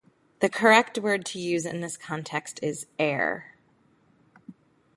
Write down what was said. The correct word to use in this context is "heir."